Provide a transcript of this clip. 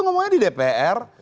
ngomongnya di dpr